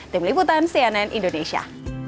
tim liputan cnn indonesia